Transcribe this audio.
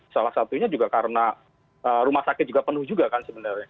salah satunya juga karena rumah sakit juga penuh juga kan sebenarnya